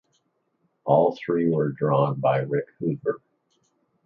All three were drawn by Rick Hoover.